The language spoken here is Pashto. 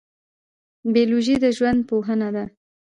بیولوژي د ژوند پوهنه ده